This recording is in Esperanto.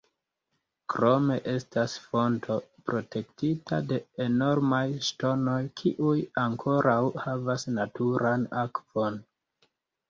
Krome estas fonto protektita de enormaj ŝtonoj, kiuj ankoraŭ havas naturan akvon.